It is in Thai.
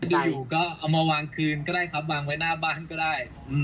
อยู่ก็เอามาวางคืนก็ได้ครับวางไว้หน้าบ้านก็ได้